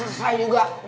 ikut saya sekarang